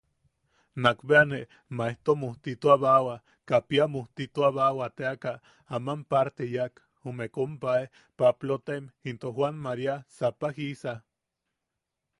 Nakbea ne Maejto mujtituabawa, Kapia mujtituabawa teaka aman parte yaak, jume kompae Paplotaim into Joan Maria Sapajisa.